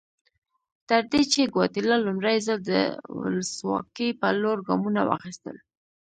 تر دې چې ګواتیلا لومړی ځل د ولسواکۍ په لور ګامونه واخیستل.